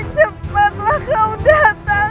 cepetlah kau datang